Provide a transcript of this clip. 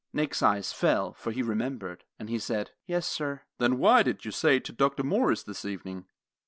Nick's eyes fell, for he remembered, and he said, "Yes, sir." "Then why did you say it to Dr. Morris this evening?"